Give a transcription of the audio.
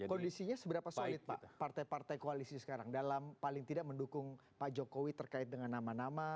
kondisinya seberapa solid pak partai partai koalisi sekarang dalam paling tidak mendukung pak jokowi terkait dengan nama nama